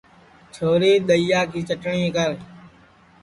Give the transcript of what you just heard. چھوری دؔئیا کی چٹٹؔی کر